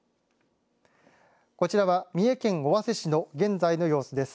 こちらは三重県尾鷲市の現在の様子です。